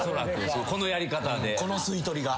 このやり方で。